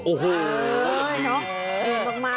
โอ้โหอร่อยเนอะ